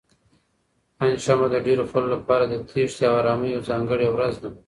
پنجشنبه د ډېرو خلکو لپاره د تېښتې او ارامۍ یوه ځانګړې ورځ ده.